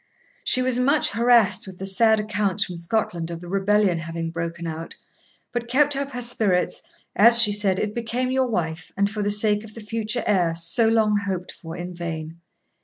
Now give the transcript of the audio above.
She was much harassed with the sad accounts from Scotland of the rebellion having broken out; but kept up her spirits, as, she said, it became your wife, and for the sake of the future heir, so long hoped for in vain.